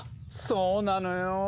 そうなのよ。